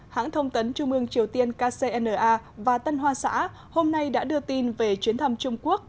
hãng thông tấn trung ương triều tiên kcna và tân hoa xã hôm nay đã đưa tin về chuyến thăm trung quốc